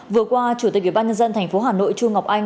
vừa qua chủ tịch ủy ban nhân dân tp hà nội chu ngọc anh